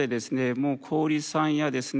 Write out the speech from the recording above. もう小売りさんやですね